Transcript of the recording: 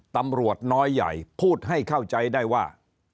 ตำรวจน้อยใหญ่พูดให้เข้าใจได้ว่า